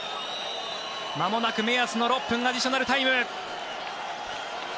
まもなく目安の６分アディショナルタイム。